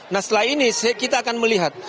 nah setelah ini kita akan melihat